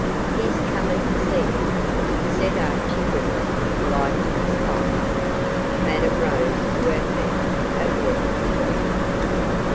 'He's comin' tae see ye, mem,' said Archie, grimly, lighting his pipe. Madame rose to her feet and walked to the window.